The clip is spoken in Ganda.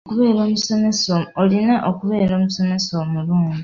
Olina okubeera omusomesa omulungi.